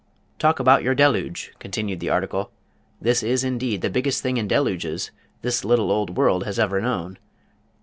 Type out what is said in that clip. "Talk about your deluge!" continued the article. "This is indeed the biggest thing in deluges this little old world has ever known.